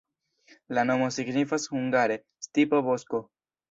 La nomo signifas hungare: stipo-bosko.